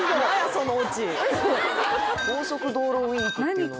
そのオチ「高速道路ウインク」っていうのは？